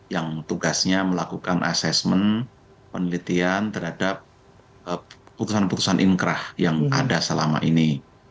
yang tugasnya melakukan assessment penelitian terhadap putusan putusan ingkrah yang ada selama ini